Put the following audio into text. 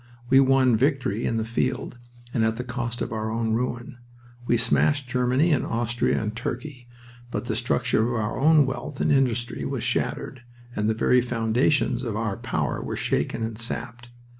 We won victory in the field and at the cost of our own ruin. We smashed Germany and Austria and Turkey, but the structure of our own wealth and industry was shattered, and the very foundations of our power were shaken and sapped.